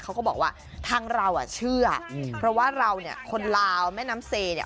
เขาก็บอกว่าทางเราอ่ะเชื่ออืมเพราะว่าเราเนี่ยคนลาวแม่น้ำเซเนี่ย